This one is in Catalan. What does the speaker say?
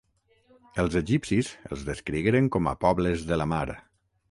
Els egipcis els descrigueren com a Pobles de la mar.